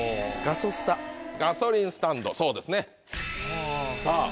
ガソリンスタンドそうですね。